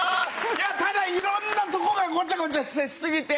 ただ色んなとこがごちゃごちゃしすぎて。